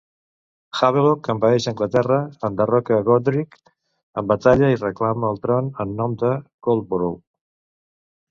Havelok envaeix Anglaterra, enderroca Godrich en batalla i reclama el tron en nom de Goldborow.